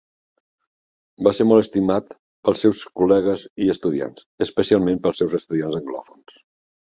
Va ser molt estimat pels seus col·legues i estudiants, especialment pels seus estudiants anglòfons.